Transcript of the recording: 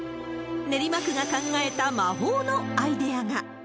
練馬区が考えた魔法のアイデアが。